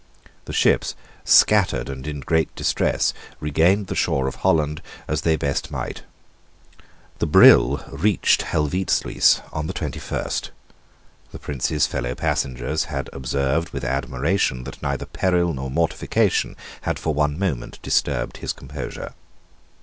The ships, scattered and in great distress, regained the shore of Holland as they best might. The Brill reached Helvoetsluys on the twenty first. The Prince's fellow passengers had observed with admiration that neither peril nor mortification had for one moment disturbed his composure.